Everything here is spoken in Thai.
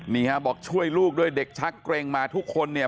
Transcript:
นี่ฮะบอกช่วยลูกด้วยเด็กชักเกร็งมาทุกคนเนี่ย